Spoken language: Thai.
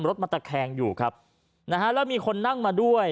รถมันตะแคงอยู่ครับนะฮะแล้วมีคนนั่งมาด้วย